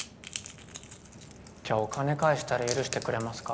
じゃあお金返したら許してくれますか？